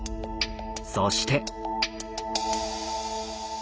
そして。